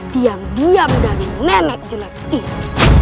diam diam dari nenek jelek itu